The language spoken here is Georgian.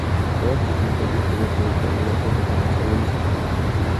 პროექტის მიხედვით კიბეს მიუყვებოდა სვეტებზე მოწყობილი სახურავი.